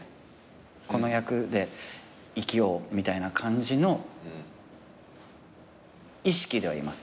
この役で生きようみたいな感じの意識ではいます。